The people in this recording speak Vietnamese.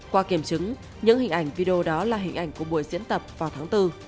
qua kiểm chứng những hình ảnh video đó là hình ảnh của buổi diễn tập vào tháng bốn